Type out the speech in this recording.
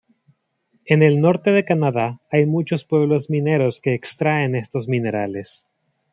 En el norte de Canadá hay muchos pueblos mineros que extraen estos minerales.